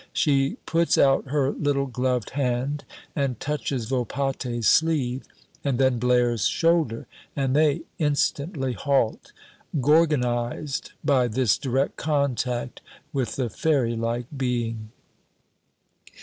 She puts out her little gloved hand and touches Volpatte's sleeve and then Blaire's shoulder, and they instantly halt, gorgonized by this direct contact with the fairy like being.